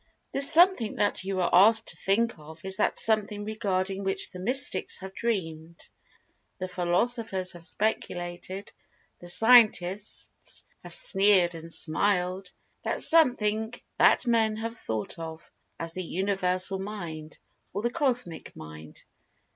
This Something that you are asked to think of is that Something regarding which the mystics have dreamed; the philosophers have speculated; the scientists have sneered and smiled—that Something that Men have thought of as The Universal Mind or the Cosmic Mind.